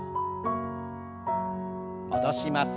戻します。